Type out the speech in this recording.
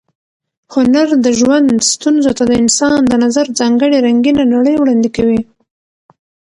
هنر د ژوند ستونزو ته د انسان د نظر ځانګړې رنګینه نړۍ وړاندې کوي.